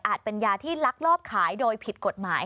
เป็นยาที่ลักลอบขายโดยผิดกฎหมาย